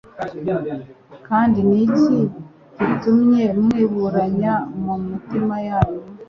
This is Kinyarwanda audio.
Kandi ni iki gitumye mwiburanya mu mitima yanyu?